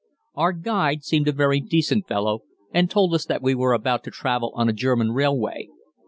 Our "guide" seemed a very decent fellow, and told us that we were about to travel on a German railway.